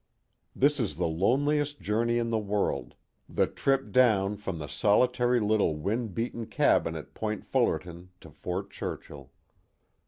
This is the loneliest journey in the world, the trip down from the solitary little wind beaten cabin at Point Fullerton to Fort Churchill.